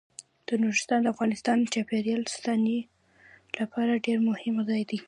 نورستان د افغانستان د چاپیریال ساتنې لپاره ډیر مهم ځای دی.